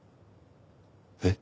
えっ？